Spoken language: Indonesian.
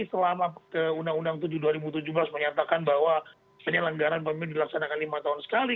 selama undang undang tujuh dua ribu tujuh belas menyatakan bahwa penyelenggaran pemilu dilaksanakan lima tahun sekali